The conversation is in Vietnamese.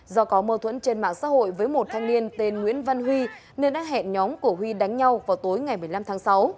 do có mâu thuẫn trên mạng xã hội với một thanh niên tên nguyễn văn huy nên đã hẹn nhóm của huy đánh nhau vào tối ngày một mươi năm tháng sáu